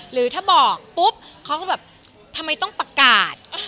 หรือถ้าบอกปุ๊บเขาก็แบบทำไมต้องประกาศ